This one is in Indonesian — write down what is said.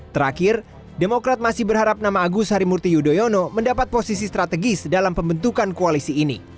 terakhir demokrat masih berharap nama agus harimurti yudhoyono mendapat posisi strategis dalam pembentukan koalisi ini